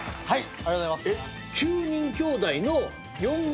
ありがとうございます。